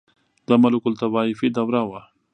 • د ملوکالطوایفي دوره وه.